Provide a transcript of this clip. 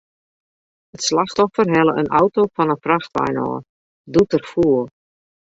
It slachtoffer helle in auto fan in frachtwein ôf, doe't er foel.